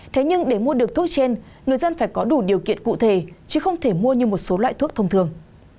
thế nhưng để mua được thuốc trên người dân phải có đủ điều kiện cụ thể chứ không thể mua như một số loại thuốc thông thường